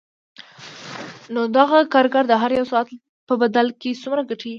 نو دغه کارګر د هر یوه ساعت په بدل کې څومره ګټي